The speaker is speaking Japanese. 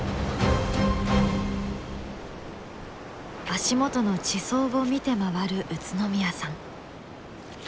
足元の地層を見て回る宇都宮さん。